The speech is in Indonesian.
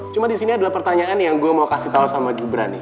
cuman disini adalah pertanyaan yang gue mau kasih tau sama gibran nih